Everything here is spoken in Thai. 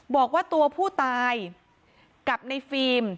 บอกว่าตัวผู้ตายกับในฟิล์ม